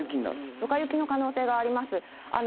どか雪の可能性があります。